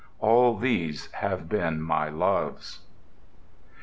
All these have been my loves.